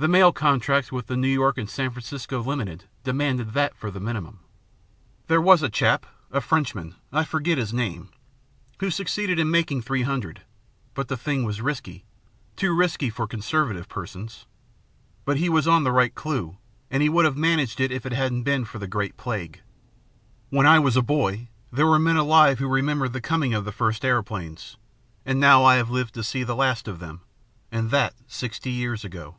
The mail contracts with the New York and San Francisco Limited demanded that for the minimum. There was a chap, a Frenchman, I forget his name, who succeeded in making three hundred; but the thing was risky, too risky for conservative persons. But he was on the right clew, and he would have managed it if it hadn't been for the Great Plague. When I was a boy, there were men alive who remembered the coming of the first aeroplanes, and now I have lived to see the last of them, and that sixty years ago."